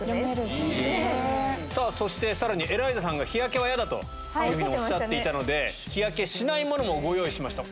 そしてエライザさんが日焼けはヤダとおっしゃっていたので日焼けしないものも用意しました。